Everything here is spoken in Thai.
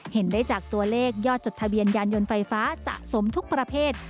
เห็นได้จากตัวเลขยอดจดทะเบียนยานยนต์ไฟฟ้าสะสมทุกประเภท